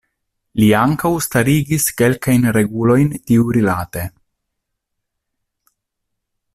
Li ankaŭ starigis kelkajn regulojn tiurilate.